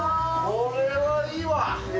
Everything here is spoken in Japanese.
これはいい。